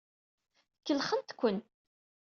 Kellxent-ken.